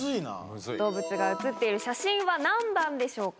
動物が写っている写真は何番でしょうか？